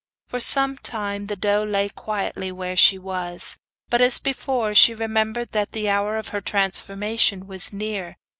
For some time the doe lay quietly where she was, but, as before, she remembered that the hour of her transformation was near.